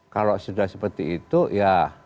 kalau sudah seperti itu ya